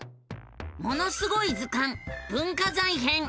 「ものすごい図鑑文化財編」！